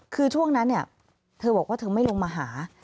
คือช่วงนั้นเนี่ยเธอบอกว่าเธอไม่ลงมาหา